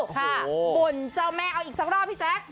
บ่นเจ้าแม่เอาอีกสักรอบพี่แจ๊ค